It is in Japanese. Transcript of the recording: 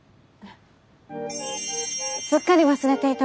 すっかり忘れていた